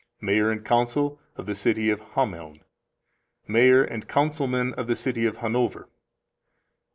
Mayor and Council of the City of Hameln. Mayor and Councilmen of the City of Hannover.